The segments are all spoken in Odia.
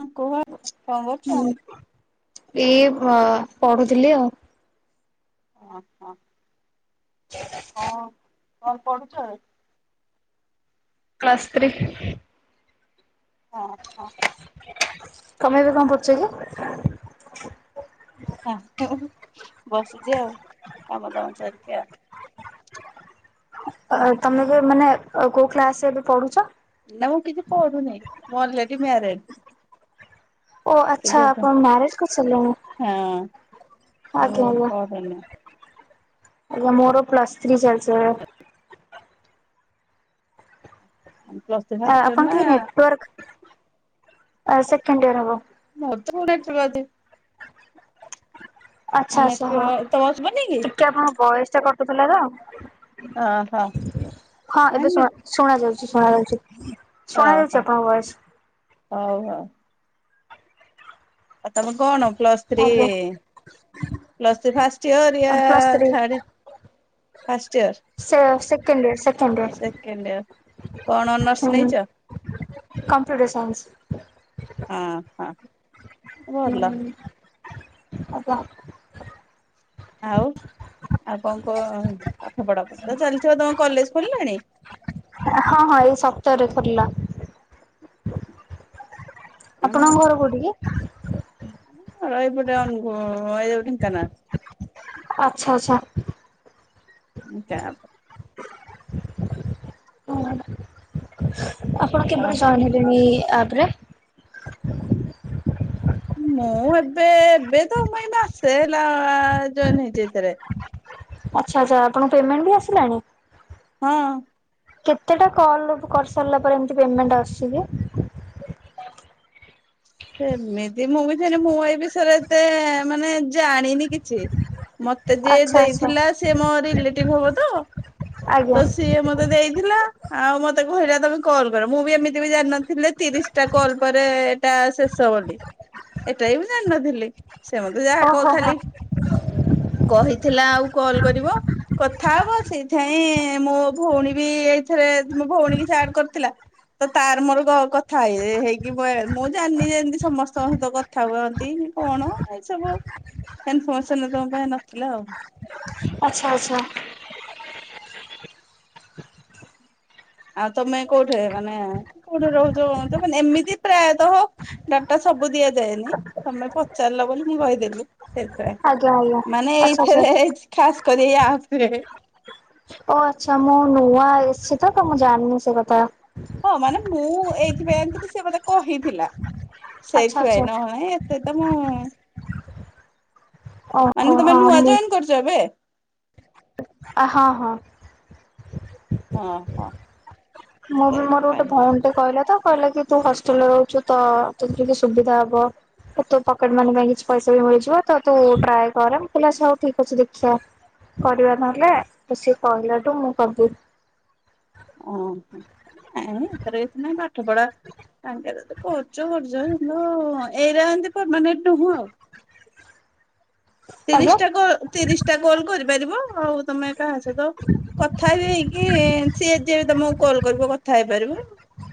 କୁହ କଣ କରୁଛ? ହୁଁ ଏଇ ପ ପଢ଼ୁଥିଲି ଆଉ। ଓହୋ। ହଁ। କଣ ପଢ଼ୁଚ? Plus three. ହଁ। ତମେ ଏବେ କଁ କରୁଚକି? ବସିଚି ଆଉ କାମ ଦାମ ସରିକି ଆଉ। ଅ ତମେ ଏବେ ମାନେ କୋଉ କ୍ଲାସରେ ଏବେ ପଢୁଚ? ନା ମୁଁ କିଛି ପଢ଼ୁନି ମୁଁ ଅଲରେଡି ମ୍ୟାରେଟ୍। ଓ ଆଚ୍ଛା ଆପଣ ମ୍ୟାରଜ୍ କରି ସାରିଲେଣି। ହଁ ମୁଁ ପଢ଼େନି। ଆଜ୍ଞା ମୋର ପ୍ଲସ୍ ଥ୍ରୀ ଚାଲିଚି ଏବେ। [inaudible] ପ୍ଲସ୍ ଆଁ ଆପଣ ଟିକିଏ ନେଟୱାର୍କ ଅଁ ସେକେଣ୍ଡ ଇୟର ହବ। ମୋ [unintelligible] ଆଜି। ଆଚ୍ଛା ଆଚ୍ଛା ହଁ ନେଟୱର୍କ ତମର ଶୁଭୁନି କି? ଟିକେ ଆପଣଙ୍କ ବୟସଟା କଟୁଥିଲାତ ଓହୋ ହଁ ଏବେ ଶୁଣା ଶୁଣ ଯାଉଚି ଶୁଣ ଯାଉଚି। ଅଁ ହୋ ହଉ ହଉ। ଆଉ ତମେ କଣ ପ୍ଲସ୍ ଥ୍ରି ଆଜ୍ଞା। Plus three first year plus year three ଥାଢ଼େ ସେ ସେକେଣ୍ଡିର ସେକେଣ୍ଡ ଇୟର କଣ ଅନର୍ସ ସେକେଣ୍ଡିର ହୁଁ। ନେଇଛ? Computer science. ହଁ ହଁ। ଭଲ ହୁଁ ଆପ ଆଉ ଆଉ କଣ କ ପାଠ ପଢା ତ ଚାଲିଥିବ ତମ କଲେଜ ଖୋଲିଲାଣି? ହଁ ହଁ ଏଇ ସତରରେ ଖୋଲିଲା। ଆପଣଙ୍କ ଆମର ଘର କୋଉଠି କି? ଆରପଟେ ଆଁ ଏଇ ଯୋଉ ଢେଙ୍କାନାଳ। ଆଚ୍ଛା ଆଚ୍ଛା। କାପ ହ ଆପଣ କେବେବି ଜଏନ ହେଲେଣି ଏଇ ଆପ ରେ? ମୁଁ ଏବେ ଏବେ ତ ମୁଇ ମାସେ ହେଲା ଜଏନ ହେଇଛି ଏଥିରେ। ଆଚ୍ଛା ଆଚ୍ଛା ଆପଣଙ୍କୁ ପେମେଣ୍ଟ ବି ଆସିଲାଣି? ହଁ। କେତେଟା କଲ କରି ସାରିଲା ପରେ ଏମତି ପେମେଣ୍ଟ ଆସୁଛି କି? ସେମିତି ମୁଁ ବିି ମୁଁ ଏଇ ବିଷୟରେ ଏତେ ମାନେ ଜାଣିନି କିଛି। ମତେ ଯିଏ ଆଚ୍ଛା ଆଚ୍ଛା ଦେଇଥିଲା ସିଏ ମୋ ରିଲେଟିଭ ହବ ତ, ଆଜ୍ଞା। ତ ସିଏ ମତେ ଦେଇ ଥିଲା, ଆଉ ମତେ କହିଲା ତମେ କଲ କର ମୁଁ ବି ଏମିତି ବି ଜାଣିନଥିଲି ତିରିଶ ଟା କଲ ପରେ ଏଟା ସେ ସ ବୋଲି ଏଟା ବି ଜାଣିନଥିଲି ସେ ମତେ ଯାହା ଓହୋ କହୁ ହୋ ଖାଲି କହିଥିଲା ଆଉ କଲ କରିବ? କଥା ହବ ସେଇଥିାଇଁ ମୋ ଭଉଣୀ ବି ଏଇଥିରେ ମୋ ଭଉଣୀ କି ଆଡ କରିଥିଲା। ତ ତାର ମୋର କଥାହେଇ ହେଇକି ପଳେଆ ମୁଁ ଜାଣିନି ଯେ ଏମିତି ସମସ୍ତଙ୍କ ସହିତ କଥା ହୁଅନ୍ତି କି କଣ ଏଇ ସବୁ ସେ ଇନଫର୍ମେସନ ତମ ପାଇଁ ନଥିଲା ଆଉ। ଆଚ୍ଛା ଆଚ୍ଛା। ଆଉ ତମେ କୋଉଠି ମାନେ କୋଉଠି ରହୁଛ କଣ ତ ମାନେ ଏମିତି ପ୍ରାୟତଃ ଡାଟା ସବୁ ଦିଆଯାଏନି ତମେ ପଚାରିଲ ବୋଲି ମୁଁ କହିଦେଲି। ସେଇଥିପାଇଁ, ଆଜ୍ଞା ଆଜ୍ଞା ମାନେ ଆଚ୍ଛା ଆଚ୍ଛା। ଏଇଥିରେ ଖାସ କରି ଏଇ ଆପରେ। ଓ ଆଚ୍ଛା ମୁଁ ନୂଆ ଏସିଛି ତ ତ ମୁଁ ଜାଣିନି ସେ କଥା। ହଁ ମାନେ ମୁଁ ଏଇଥିପାଇଁ ଆଣିଥିଲି ସେ ମତେ କହିଥିଲା ଆଚ୍ଛା ଆଚ୍ଛା ସେଇଥିପାଇଁ ନହ ଏ ସେ ତ ମୁଁ ଓହୋ ମାନେ ତମେ ହଁ ନୂଆ ମୁଁ ଜଏନ କରିଚ ଏବେ? ହଁ ହଁ। ଅଁ ହ। ମୁଁ ବି ମୋର ଗୋଟେ ଭଉଣୀ ତ କହିଲା ତ କହିଲା କି ତୁ ହଷ୍ଟେଲରେ ରହୁଛୁ ତ ତୋତେ ଟିକେ ସୁବିଧା ହବ। ତୁ ପକେଟ ମନୀ ପାଇଁ କିଛି ପଇସା ବି ମିଳିଯିବ ତ ତୁ ଟ୍ରାଏ କରେ ମୁଁ କହିଲି ହଉ ଠିକ ଅଛି ଦେଖିବା। କରିବା ନହେଲେ ତ ସେ କହିଲାଠୁ ମୁଁ କଲି। ଓହୋ, ନାଇଁ ସେଥିରେ କିଛି ନାହିଁ ପାଠ ପଢା ତାଙ୍କେରେ ତ କରୁଛ କରୁଛ କିନ୍ତୁ ଏଇରେ ଏମତି ପରମାନେଣ୍ଟ ହୁଉ। ଆଜ୍ଞା ତିରିଶ ଟା କଲ ତିରିଶ ଟା କଲ କରିପାରିବ ଆଉ ତମେ କାହା ସହିତ କଥା ବି ହେଇକି ସିଏ ଯେ ତମକୁ କଲ୍ କରିବ କଥା ହେଇପାରିବ।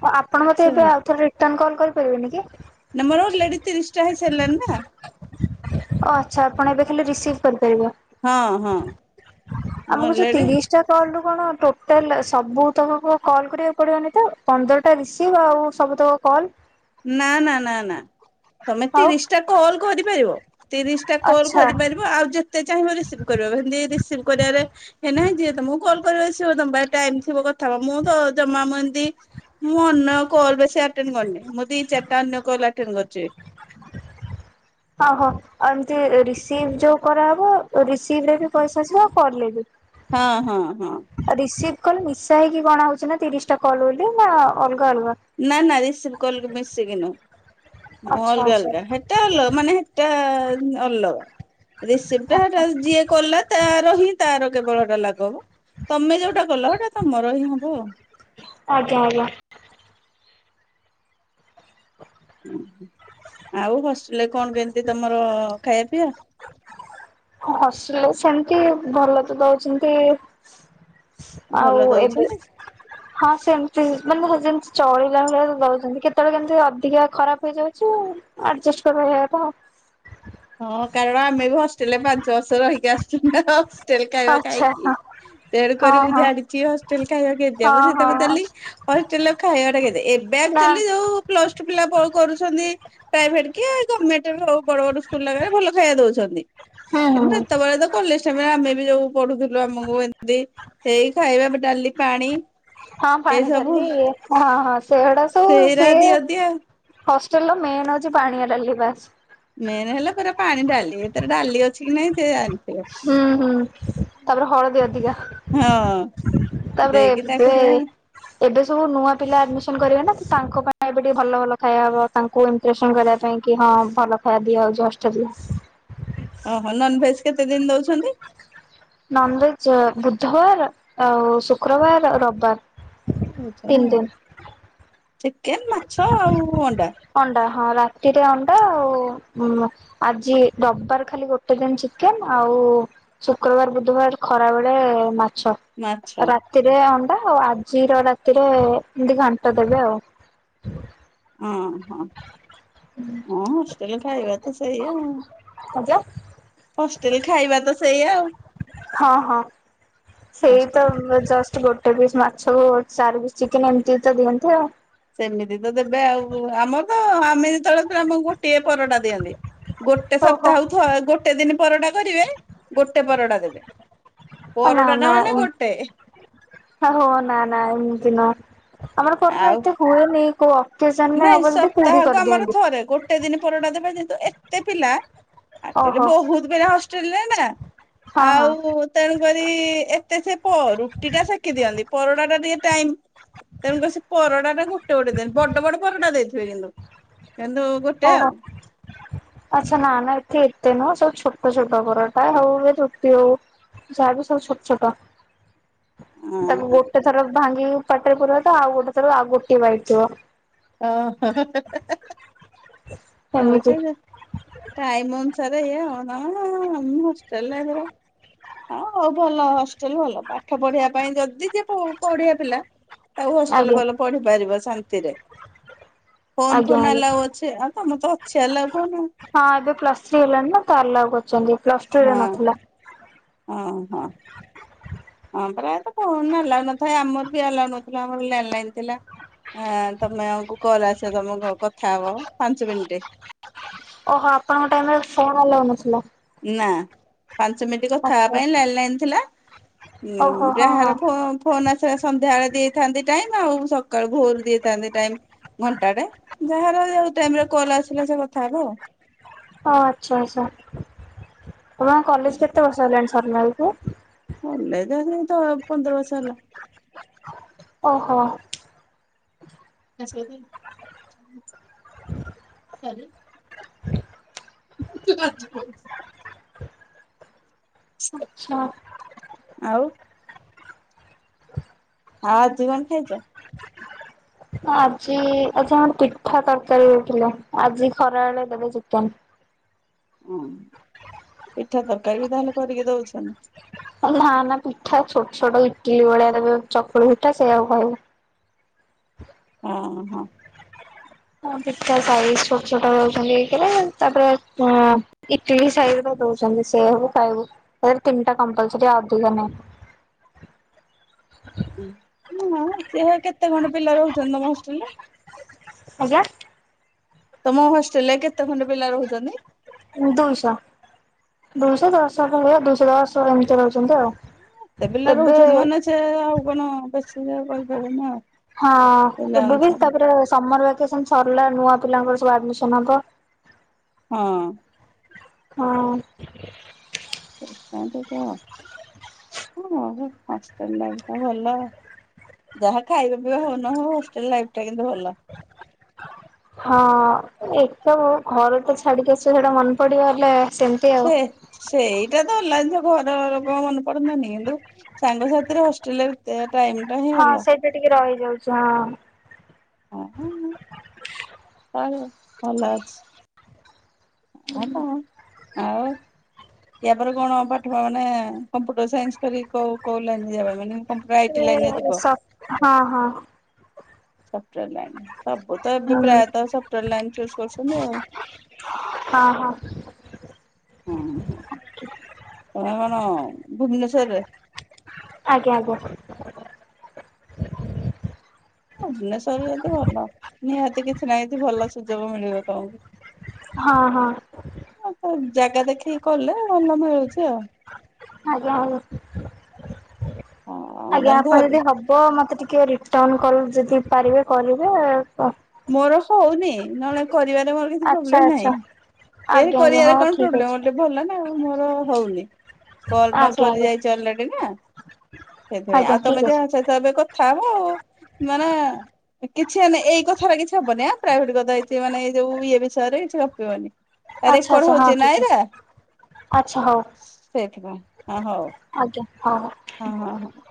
ଆପଣ ମତେ ଏବେ ସେମିତି ଆଉ ଥରେ ରିଟର୍ଣ୍ଣ କଲ କରିପାରିବେନି କି? ନାଁ ମୋର ଅଲେଡିି ତିରିଶଟା ହେଇସାରିଲାଣି ନା। ଓ ଆଚ୍ଛା ଆପଣ ଏବେ ଖାଲି ରିସିଭ୍ କରିପାରିବେ? ହଁ ହଁ। ମୁଁ ଆମକୁ ଯୋଉ ଅଲରେଡି ତିରିଶ କଲ ରୁ କଣ ଟୋଟାଲ ସବୁ ତ କଲ କରିବାକୁ ପଡିବନି ତ ପନ୍ଦ [unintelligible] ଟା ରିସିଭ୍ ଆଉ ସମସ୍ତଙ୍କ କଲ। ନା ନା ନା ନା। ତମେ ଆଉ ତିରିଶ ଟା କଲ କରିପାରିବ ତିରିଶ ଟା କଲ ଆଚ୍ଛା କରିପାରିବ ଆଉ ଯେ ଯେତେ ଚାହିଁବ ରିସିଭ କରିବ ସେମିତି ରିସିଭ କରିବାରେ ନାହିଁ ଯିଏ ତମକୁ କଲ୍ କର ସିିବ ତମ ଟାଇମ ଥିବ କଥା ହବ ମୁଁ ତ ଜମା ମୁଁ ଏମିତି ମୁଁ ଅନ୍ୟ କୋଲ ବେଶୀ ଆଟେଣ୍ଡ କରିନି ମୁଁ ଦିଇ ଚାରିଟା ଅନ୍ୟ କୋଲଟେଣ୍ଡ କରିଚି। ଓଁହଁ ଆଉ ଏମିତି ରିସିଭ ଯୋଉ କରାହେବ ରିସିଭ ରେ ବି ପଇସା ଆସିବ ଆଉ କଲ ରେ ବି। ହଁ ହଁ। ରିସିଭ କଲ ମିଶା ହେଇକି ଗଣା ହଉଛି ନା ତିରିଶ ଟା କଲ ବୋଲି ନା ଅଲଗା ଅଲଗା। ନା ନା ରସିପ କଲ ମିଶିକି ନୁହଁ ଆଚ୍ଛା ଅଲଗା ଆଚ୍ଛା ଅଲଗା ହେ ଟା ଅଲ ମାନେ ସେଟା ଅଲ ରିସିପ୍ଟା ଆଚ୍ଛା ସେଟା ଯିଏ କଲା। ତାର ହିଁ ତାର କେବଳ ଏଟା ଲାଭ ତମେ ଯୋଉଟା କଲ ସେଟା ତମର ହିଁ ହବ ଆଉ। ଆଜ୍ଞା ଆଜ୍ଞା। [inaudible] ଆଉ ହଷ୍ଟେଲରେ କଣ କେମିତି ତମର ଖାଇବା ପିଇବା। ହଷ୍ଟେଲ ରେ ସେମିତି ଭଲ ତ ଦଉଛନ୍ତି। ଆଉ ଭଲ ଏବେ [inaudible] ହଁ ସେମିତି ମାନେ ଯେମିତି ଚଳିଲା ଭଳିଆ ତ ଦଉଛନ୍ତି କେତେବେଳେ କେମିତି ଅଧିକା ଖରାପ ହେଇଯାଉଛି ଆଉ। ଆଡଜଷ୍ଟ କରିବାକୁ [unintelligible] ହଁ କାରଣ ଆମେ ବି ହଷ୍ଟେଲରେ ପାଞ୍ଚ ବର୍ଷ ରହିକି ଆସିଛୁ ନା ହଷ୍ଟେଲ ଖାଇବା କଥା ଖାଇକି। ତେଣୁ ଆଉ ଆଚ୍ଛା ହଁ କରି ମୁଁ ହଁ ହଁ। ଜାଣିଛି ହଷ୍ଟେଲ ଖାଇବା କେମିତିଆ ମୁଁ ହଁ ସେଇଥି ହଁ ପାଇଁ ହଁ ପଚାରିଲି। ହଷ୍ଟେଲ ର ଖାଇବା ଟା କେତେ ଏବେ ନା ଆକଚଲି ଯୋଉ ପ୍ଲସ ଟୁ ପିଲା କରୁଛନ୍ତି ପ୍ରାଇଭେଟ କିଉ ଗଭର୍ଣ୍ଣମେଣ୍ଟ ବଡ ବଡ [unintelligible] ଭଲ ଖାଇବା ଦଉଛନ୍ତି ହୁଁ ହୁଁ କିନ୍ତୁ ହୁଁ ସେତେବେଳେ ତ କଲେଜ ଆମେ ବି ଯୋଉ ପଢୁଥିଲୁ ଆମକୁ ଏମିତି ହେଇ ଖାଇବା ଡାଲି ପାଣି। ହଁ ଏଇ ପାଣି ସବୁ ଡାଲି ହଁ ହଁ ସେଗୁଡା ସବୁ ସେଇରା ସିଏ ଦିଅନ୍ତି ଆଉ। ହଷ୍ଟେଲର ମେନ୍ ହେଉଛି ପାଣିଆ ଡାଲି ବାସ। ମେନ୍ ହେଲା ପୁରା ପାଣି ଡାଲି ଏଥରେ ଡାଲି ଅଛି କି ନାଇଁ ସେ ହୁଁ ହୁଁ ତାପରେ ହଳଦୀ ଅଧିକା। ହଁ ତାପରେ ଦେଇକି ଏ ତାକୁ ଦେ ଏବେ ସବୁ ନୂଆ ପିଲା ଆଡମିସନ କରିବେ ନା ତାଙ୍କ ପାଇଁ ଏବେ ଟିକେ ଭଲ ଭଲ ଖାଇବା ହବ। ତାଙ୍କୁ ଇମ୍ପ୍ରେସନ କରିବା ପାଇଁ କି ହଁ ଭଲ ଖାଇବା ଦିଆଯାଉଛି ହଷ୍ଟେଲ ରେ। ଓହୋ ନନଭେଜ କେତେ ଦିନ ଦଉଛନ୍ତି। ନନଭେଜ ବୁଧବାର ଆଉ ଶୁକ୍ରବାର ରବିବାର। ତିନି ଦିନ ଚିକେନ ମାଛ ଆଉ ଅଣ୍ଡା। ଅଣ୍ଡା ହଁ ରାତିରେ ଅଣ୍ଡା ଆଉ ଆଜି ରବିବାର ଖାଲି ଗୋଟେ ଦିନ ଚିକେନ ଆଉ ଶୁକ୍ରବାର ବୁଧବାର ଖରା ବେଳେ ମାଛ। ମାଛ। ରାତିରେ ଅଣ୍ଡା ଆଉ ଆଜିର ରାତିରେ ଏମତି ଘାଣ୍ଟ ଦେବେ ଆଉ। ହଁ ହଁ। ହୁଁ। ହଁ ହଷ୍ଟେଲରେ ଖାଇବା ତ ସେଇଆଉ ଆଜ୍ଞା। ହଷ୍ଟେଲ ଖାଇବା ତ ସେଇ ଆଉ। ହଁ ହଁ। ସେଇ ତ ହଷ୍ଟେଲ ଜଷ୍ଟ ଗୋଟେ ପିସ୍ ମାଛକୁ ଚାରି ପିସ୍ ଚିକେନ ଏମତି ତ ଦିଅନ୍ତ ଆଉ। ସେମିତି ତ ଦେବେ ଆଉ ଆମର ତ ଆମେ ଯେତେବେଳେ ଆମକୁ ଗୋଟିଏ ପରଟା ଦିଅନ୍ତି। ଗୋଟେ ଓହୋ ସପ୍ତାହକୁ ଥ ଗୋଟେ ଦିନ ପରଟା କରିବେ ଗୋଟେ ପରଟା ଦେବେ। ନା ପରଟା ଟା ନା ମାନେ ଗୋଟେ ଓନ୍ ଆ ହୋ ନା ନା ଏମତିି ନୁହଁ। ଆମର ଘରର ଆଉ ଏତେ ହୁଏନି କୋଉ ଅକେଜନରେ ହବ ଯଦି ପୁରୀ କରିଦିଅନ୍ତି। ତେ ଦିନ ପରଟା ଦେବେ କିନ୍ତୁ ଏତେ ପିଲା ଆକଚୁଆଲି ଓହୋ ବହୁତ ପିଲା ହଷ୍ଟେଲରେ ନା ହଁ ହଁ ଆଉ ତେଣୁ କରି ଏତେ ସେ ପ ରୁଟି ଟା ସେକି ଦିଅନ୍ତି ପରଟା ଟା ଟିକେ ଟାଇମ ତେଣୁ କରି ସେ ପରଟା ଟା ଗୋଟେ ଗୋଟେ ଦିଅନ୍ତି ବଡ ବଡ ପରଟା ଦେଇଥିବେ କିନ୍ତୁ, କିନ୍ତୁ ଗୋଟେ ଓ ହୋ। ଆଉ ଆଚ୍ଛା ନା ନା ଏଠି ଏତେ ନୁହଁ ସବୁ ଛୋଟ ଛୋଟ ପରଟା ହଉ ଏ ରୁଟି ହଉ ଯାହା ବି ସବ୍ ଛୋଟ୍ ଛୋଟ ତାକୁ ହଁ ଗୋଟେ ଥର ଭାଙ୍ଗି କି ପାଟରେ ପୁରେଇବା ତ ଆଉ ଗୋଟେ ଥର ଆଉ ଗୋଟେ ବାଇଟ୍ ଥିବ। ଓ ହଁ ହଁ ହେ ହେ ହେ ହେ ଓ ଏମିତି ଆଚ୍ଛା ଆଚ୍ଛା। ଟାଇମ ଅନୁସାରେ ଏହା ନହେଲେ ମୁଁ ହଷ୍ଟେଲ ୟାଥିରେ ହଁ ହଉ ଭଲ ହଷ୍ଟେଲ ଭଲ ପାଠ ପଢିବା ପାଇଁ ଯଦି ଯେ ପ ପଢ଼ିବା ପିଲା ଆଉ ହଷ୍ଟେଲରେ ଆଜ୍ଞା ଭଲ ପଢିପାରିବ ଶାନ୍ତିରେ ଫୋନ ଆଜ୍ଞା ଫୋନ ଆଜ୍ଞା ଆଲ୍ଲୋଉ ଅଛି ଆଉ ତମର ତ ଅଛି ଆ ଲାଗୁନି ଆଉ। ହଁ ଏବେ ପ୍ଲସ୍ ଥ୍ରୀ ହେଲାଣିି ନା ତାର ଲାଗୁ ଅଛନ୍ତି ପ୍ଲସ୍ ଟୁ ରେ ନଥିଲା। ଓହୋ। ହଁ ପ୍ରାୟତଃ ନା ଲାଇନ୍ ନଥାଏ ଆମର ବି ଆଲ୍ଲୋଉ ନଥିଲା ଆମର ଲଣ୍ଡ ଲାଇନ ଥିଲା। ହଁ ତମେ ଆମକୁ କଲ ଆସ ତମ କଣ କଥା ହବ ପାଞ୍ଚ ମିନ୍ଟି। ଓହୋ ଆପଣଙ୍କ ଟାଇମ ରେ ଫୋନ ଆଲାଉ ନଥିଲା? ନା। ପାଞ୍ଚ ମିନିଟ କଥା ହେବା ଆଚ୍ଛା। ପାଇଁ ଲ୍ୟାଣ୍ଡ ଲାଇନ୍ ଥିଲା ଓହୋ ଉଁ ହଁ ହଁ ଯାହାର ଫୋ ଫୋନ୍ ଆସିବାର ସନ୍ଧ୍ୟା ବଳେ ଦେଇଥାନ୍ତି ଟାଇମ ଆଉ ସକାଳୁ ଭୋର ଦେଇଥାନ୍ତି ଟାଇମ। ଘଣ୍ଟାଟେ ଯାହାର ଯୋଉ ଟାଇମରେ କଲ୍ ଆସିଲା ସେ କଥା ହେବ। ଓ ଆଚ୍ଛା ଆଚ୍ଛା ତମର ଆଉ। କଲେଜ କେତେ ବର୍ଷ ହେଲାଣି ସାରିଲା ବେଳକୁ? କଲେଜ ହେଇ ତ ପନ୍ଦର ବର୍ଷ ହେଲା। ଓହୋ। ଆସିଲ କାହିଁ? ଉଁ। ସାରି। ଆଜି ପାଉଛି। ଆଚ୍ଛା। ଆଉ? ଆଜି କଣ ଖାଇଛ? ଆଜି ଅଜା ଆମର ପିଠା ତରକାରୀ ହେଇଥିଲା ଆଜି ଖରା ବେଳେ ଦେବେ ଚିକେନ। ଉଁ ପିଠା ତରକାରୀ ବି ତାହେଲେ କରିକି ଦଉଛନ୍ତି। ନା ନା ପିଠା ଛୋଟ ଛୋଟ ଇଟିଲି ଭଳିଆ ତାକୁ ଏବେ ଚକୁଳି ପିଠା ସେଇୟାକୁ ଖାଇବୁ। ଓ ହୋ। ହଁ ପିଠା ସାଇଜ ଛୋଟ ଛୋଟ ରଖିଛନ୍ତି ଏକରେ ତାପରେ ଅଁ ଇଟିଲି ସାଇଜରେ ଦଉଛନ୍ତି ସେୟାକୁ ଖାଇବୁ ଫେର୍ ତିନିଟା କମ୍ପାଲସରି ଆଉ ଅଧିକ ନାହିଁ। ଅଁ, [unintelligible] ସେ କେତେ ଖଣ୍ଡ ପିଲା ରହୁଛନ୍ତି ତୋମ ହଷ୍ଟେଲ୍ ରେ? ଆଜ୍ଞା। ତୋମ ହଷ୍ଟେଲ୍ ରେ କେତେ ଖଣ୍ଡେ ପିଲା ରହୁଛନ୍ତି? ଦୁଇଶ ଦୁଇଶ ଦଶଶହ ଭଳିଆ ଦୁଇଶହ ଦଶ ଏମିତି ରହୁଛନ୍ତି ଆଉ। ତେ ପିଲା ଏବେ ରହୁଛନ୍ତି ମାନେ ସେ ଆଉ କଣ ବେଶୀ ଯେ ରିହିପାରିବନା? ହଁ ଏବେ ବି ତାପରେ ସମର୍ ଭେକେସନ୍ ସରିଲା ନୂଆ ପିଲାଙ୍କର ସବୁ ଆଡମିସନ୍ ହବ। ହଁ। ହଁ। [unintelligible] କେମିତି କୁହ? ସେ ବହେ [unintelligible] ଭଲ। ଯାହା ଖାଇବା ପିଇବା ହଉ ନ ହଉ ହଷ୍ଟେଲ୍ ଲାଇଫ୍ ଟା କିନ୍ତୁ ଭଲ। ହଁ ଏ ସବୁ ଘରେ ତ ଛାଡିକି ଆସିବୁ ସେଟା ମନେ ପଡିଗଲେ ସେମ ସେ ସେଇଟା ତ ହେଲାଣିି ତ ଘର ଲୋକଙ୍କ ମନେ ପଡନ୍ତାନି କିନ୍ତୁ ସାଙ୍ଗସାଥିରେ ହଷ୍ଟେଲ୍ ରେ ସେ ଟାଇମ ଟା ହିଁ ଭଲ। ସେ ଟିକେ ରହିଯାଉଛି ହଁ। ହଁ, ହେନେ ଚଳିବ ଭଲ ଅଛି। ଆ, ତୋମ ଆଉ ୟା ପରେ କଣ ପାଠପଢା ନା କମ୍ପ୍ୟୁଟର ସାଇନ୍ସ ଖାଲି କୋଉ କୋଉ ଲାଇନ୍ ଯିବା ପାଇଁ ମାନେ କମ୍ପ୍ୟୁଟର ଆଇଟି ଲାଇନ ରେ ଯିବ। ସ-ହଁ ହଁ ସଫ୍ଟୱେର୍ ଲାଇନ୍ ସବୁ ତ ଏବେ ହୁଁ ପ୍ରାୟତ ସଫ୍ଟୱେର ଲାଇନୁ ଚୁସ୍ କରୁଛନ୍ତି ଆଉ। ହଁ, ହଁ। ହଁ, ହଁ ତୋମେ କଣ ଭୁବନେଶ୍ୱରରେ? ଆଜ୍ଞା, ଆଜ୍ଞା। ଭୁବନେଶ୍ଵରରେ ଯଦି ଭଲ ନିହାତି କିଛି ନାହିଁ ଏଠି ଭଲ ସୁଯୋଗ ମିଳିବ ତୋମକୁ। ହଁ, ହଁ। ହଁ ତ ଜାଗା ଦେଖିକି କଲେ ଭଲ ବି ହେଉଛି ଆଉ। ଆଜ୍ଞା, ଆଜ୍ଞା, ଆଉ ଆଜ୍ଞା ତାହେଲେ ଆପଣ ଘର ଯଦି ହବ ବ ମୋତେ ଟିକେ ରିଟର୍ଣ୍ଣ କଲ୍ ଯଦି ପାରିବେ କରିବେ ତ। ମୋର ହଉନି ନହେଲେ କରିବାରେ ମୋର କିଛି ଆଚ୍ଛା ପ୍ରୋବ୍ଲେମ୍ ନାହିଁ। ଆଚ୍ଛା [unintelligible] ଆଜ୍ଞା ଆଜ୍ଞା କରିବାରେ ହଉ କଣ ଠିକ୍ ପ୍ରୋବ୍ଲେମ୍ ଅଛି ଗୋଟେ ଭଲ ନା ଆଉ। ମୋର ହଉନି। କଲ୍ ବା ଆଜ୍ଞା ସରି ଆଜ୍ଞା। ଯାଇଛି ଅଲରେଡି ନା ସେଥିପାଇଁ। ଆଜ୍ଞା ଆଉ ତୋମେ ଠିକ୍ ଅଛି ଯାହା ସହିତ ଏବେ କଥା ହବ ଆଉ ମାନେ ଏ ହେଲେ କିଛି ଏଇ କ ଥାର କିଛି ହବନି ଆଁ, ପ୍ରାଇଭେଟ୍ କଥା କିଛି ମାନେ ଏ ଯୋଉ ଇଏ ବିଷୟରେ କିଛି ଗପିବନି। ଆ, ଆଚ୍ଛା ରେକର୍ଡ ଆଚ୍ଛା ହଁ ହଉଛି ଠିକ୍ ନାଇଁରା ଅଛି ଆଚ୍ଛା ହଉ ସେଥିପାଇଁ ହଁ ହଉ। ଆଜ୍ଞା ହଁ। ହଁ, ହଁ, ହଁ।